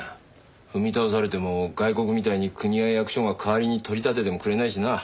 踏み倒されても外国みたいに国や役所が代わりに取り立ててもくれないしな。